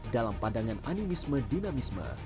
dalam pandangan animisme dinamisme